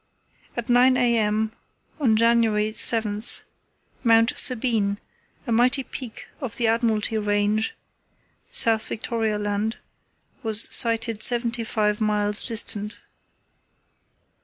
At 9 a.m. on January 7, Mount Sabine, a mighty peak of the Admiralty Range, South Victoria Land, was sighted seventy five miles distant.